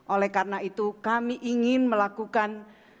oleh karena itu kami ingin melakukan